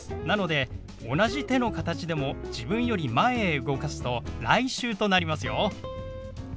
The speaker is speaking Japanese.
なので同じ手の形でも自分より前へ動かすと「来週」となりますよ。